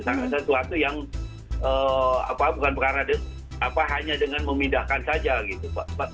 sangat sesuatu yang bukan perkara hanya dengan memindahkan saja gitu